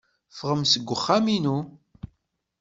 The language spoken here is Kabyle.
Ffɣem seg uxxam-inu.